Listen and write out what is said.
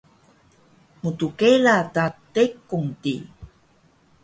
mtkela ka tekung di